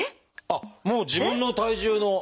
あっもう自分の体重の。